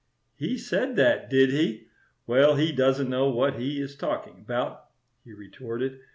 "He said that, did he? Well, he doesn't know what he is talking about," he retorted.